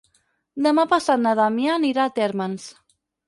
Demà passat na Damià anirà a Térmens.